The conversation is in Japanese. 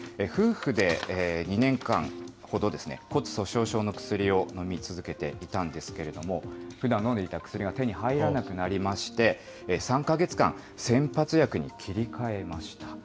夫婦で２年間ほど、骨粗しょう症の薬を飲み続けていたんですけれども、ふだん飲んでいた薬が手に入らなくなりまして、３か月間、先発薬に切り替えました。